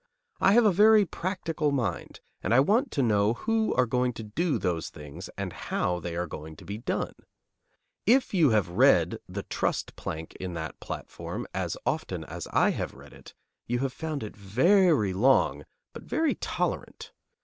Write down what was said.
I have a very practical mind, and I want to know who are going to do those things and how they are going to be done. If you have read the trust plank in that platform as often as I have read it, you have found it very long, but very tolerant.